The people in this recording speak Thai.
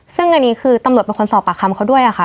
ซึ่งอันนี้คือตำรวจเป็นคนสอบปากคำเขาด้วยค่ะ